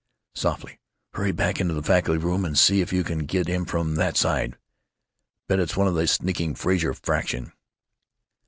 Softly: "Hurry back into the faculty room and see if you can get him from that side. Bet it's one of the sneaking Frazer faction."